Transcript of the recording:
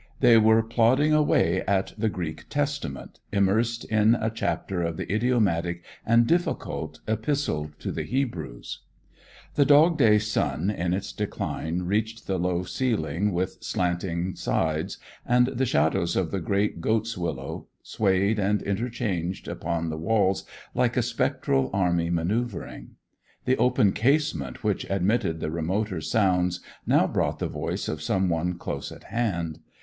They were plodding away at the Greek Testament, immersed in a chapter of the idiomatic and difficult Epistle to the Hebrews. The Dog day sun in its decline reached the low ceiling with slanting sides, and the shadows of the great goat's willow swayed and interchanged upon the walls like a spectral army manoeuvring. The open casement which admitted the remoter sounds now brought the voice of some one close at hand.